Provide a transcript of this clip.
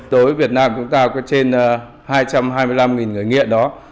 đối với việt nam chúng ta có trên hai trăm hai mươi năm người nghiện đó